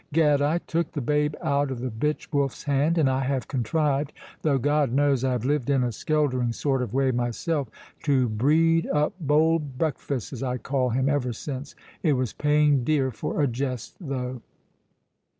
Gad, I took the babe out of the bitch wolf's hand; and I have contrived, though God knows I have lived in a skeldering sort of way myself, to breed up bold Breakfast, as I call him, ever since. It was paying dear for a jest, though."